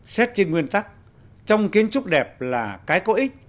xét trên nguyên tắc trong kiến trúc đẹp là cái có ích